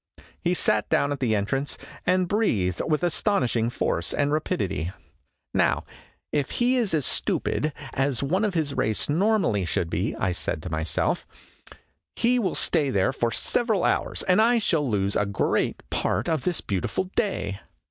He sat down at the entrance and breathed with astonishing force and rapidity. THE PROFESSOR AND THE PATAGONIAN GIANT 127 " Now, if he is as stupid as one of his race normally should be," I said to myself, "he will stay there for several hours, and I shall lose a great part of this beautiful day."